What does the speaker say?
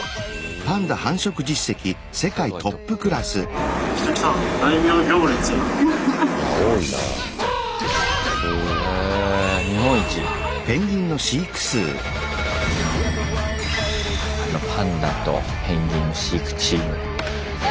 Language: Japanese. パンダとペンギンの飼育チーム。